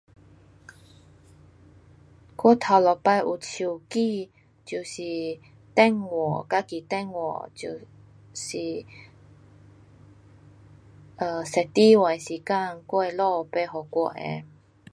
我第一次有手机，就是电话自己电话就是 um 上大学的时间，我的父亲买给我的。